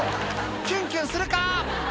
キュンキュンするか！